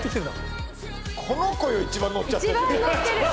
この子よ一番ノッちゃってる。